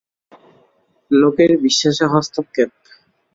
লোকের বিশ্বাসে হস্তক্ষেপ!